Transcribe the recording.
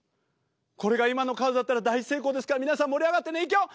これが今のカードだったら大成功ですから皆さん盛り上がってねいくよ！